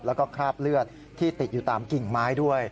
แล้วก็คราบเลือดที่ติดอยู่ตามกิ่งไม้ด้วย